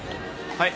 はい。